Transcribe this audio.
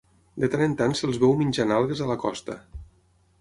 De tant en tant se'ls veu menjant algues a la costa.